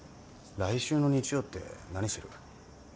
来週の日曜って何してる？